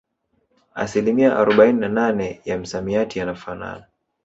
Asilimia arobaini na nane ya misamiati yafanana